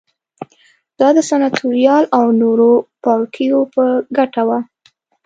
دا د سناتوریال او نورو پاړوکیو په ګټه وه